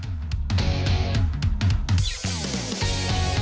โรคลิสต์ยอดทุนความยายมี๑ปี